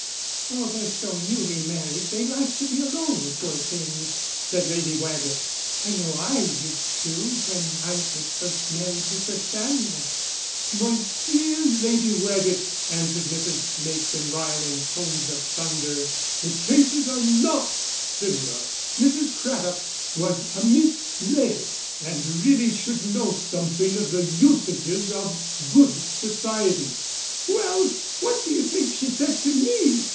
"Oh, they're so newly married they like to be alone, poor things," said Lady Waggett. "I know I used to when I was first married to Sir Samuel." "My dear Lady Waggett," answered Mrs. Mayston Ryle in tones of thunder, "the cases are not similar; Mrs. Craddock was a Miss Ley, and really should know something of the usages of good society." "Well, what do you think she said to me?"